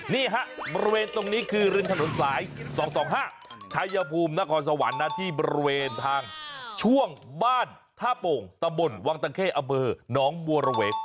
นี่ฮะบริเวณตรงนี้คือริมถนนสาย๒๒๕ชายภูมินครสวรรค์นะที่บริเวณทางช่วงบ้านท่าโป่งตำบลวังตะเข้องบัวระเวก